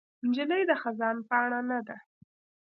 نجلۍ د خزان پاڼه نه ده.